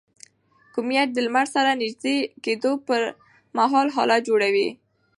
کومیټ د لمر سره نژدې کېدو پر مهال هاله جوړوي.